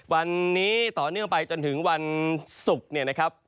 วันนี้ต่อเนื่องไปจนถึงวันศุกร์เนี่ยนะครับ